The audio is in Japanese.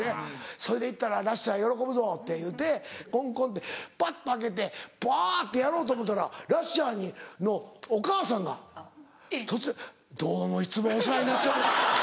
それで行ったらラッシャー喜ぶぞっていうてコンコンってパッと開けて「パァ」ってやろうと思うたらラッシャーのお母さんが突然「どうもいつもお世話になって」。